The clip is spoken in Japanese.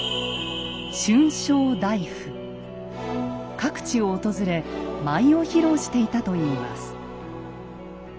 各地を訪れ舞を披露していたといいます。